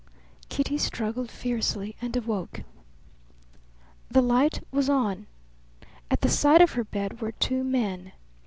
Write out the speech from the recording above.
Kitty struggled fiercely and awoke. The light was on. At the side of her bed were two men.